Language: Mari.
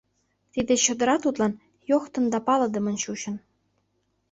Тиде чодыра тудлан йогтын да палыдымын чучын.